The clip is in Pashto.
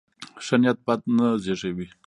ښه نیت بد نه زېږوي.